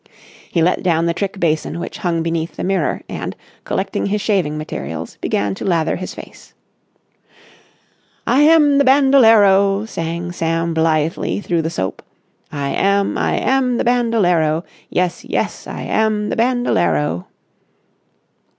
He let down the trick basin which hung beneath the mirror and, collecting his shaving materials, began to lather his face. "I am the Bandolero!" sang Sam blithely through the soap. "I am, I am the Bandolero! Yes, yes, I am the Bandolero!"